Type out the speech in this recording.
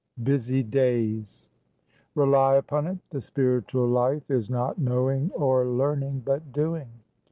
BUSY DAYS. "Rely upon it, the spiritual life is not knowing or learning, but doing.